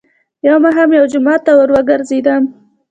. يو ماښام يوه جومات ته ور وګرځېدم،